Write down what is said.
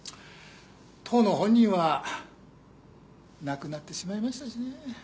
当の本人は亡くなってしまいましたしね。